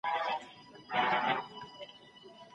د ښو اخلاقو درلودل د بریا راز دی.